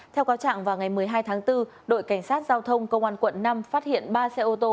theo cáo trạng vào ngày một mươi hai tháng bốn đội cảnh sát giao thông công an quận năm phát hiện ba xe ô tô